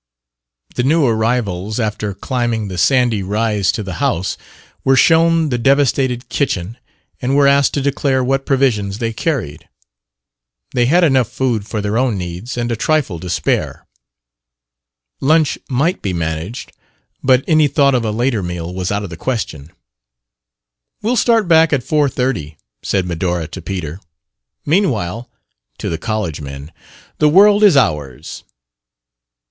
The new arrivals, after climbing the sandy rise to the house, were shown the devastated kitchen and were asked to declare what provisions they carried. They had enough food for their own needs and a trifle to spare. Lunch might be managed, but any thought of a later meal was out of the question. "We'll start back at four thirty," said Medora to Peter. "Meanwhile" to the college men "the world is ours."